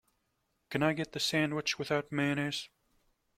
Can I get the sandwich without mayonnaise?